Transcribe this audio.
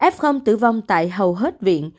f tử vong tại hầu hết viện